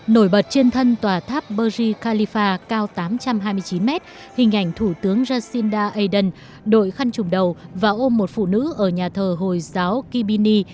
nổi bật trên thân tòa tháp burj khalifa cao tám trăm hai mươi chín mét hình ảnh thủ tướng jacinda ardern đội khăn trùng đầu và ôm một phụ nữ ở nhà thờ hồi giáo kibini